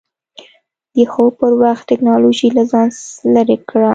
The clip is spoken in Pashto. د خوب پر وخت ټېکنالوژي له ځان لرې کړه.